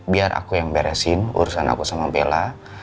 biar aku yang beresin urusan aku sama bella